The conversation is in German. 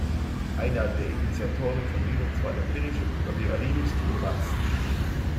Einer der Initiatoren von Linux war der finnische Programmierer Linus Torvalds.